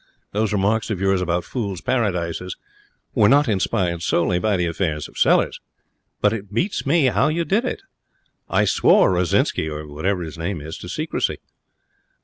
Those remarks of yours about fools' paradises were not inspired solely by the affairs of Sellers. But it beats me how you did it. I swore Rozinsky, or whatever his name is, to secrecy.'